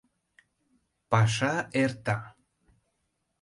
Паша эрта.